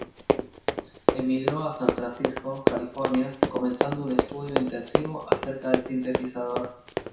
Emigró a San Francisco, California, comenzando un estudio intensivo acerca del sintetizador.